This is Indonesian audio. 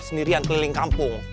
sendirian keliling kampung